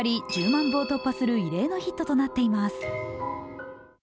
１０万部を突破する異例のヒットとなっています。